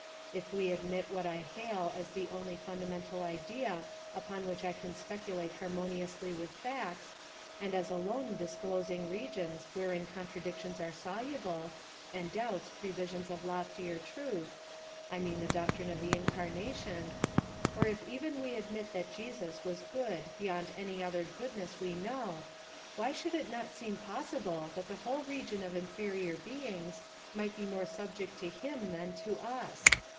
If we admit what I hail as the only fundamental idea upon which I can speculate harmoniously with facts, and as alone disclosing regions wherein contradictions are soluble, and doubts previsions of loftier truth I mean the doctrine of the Incarnation; or if even we admit that Jesus was good beyond any other goodness we know, why should it not seem possible that the whole region of inferior things might be more subject to him than to us?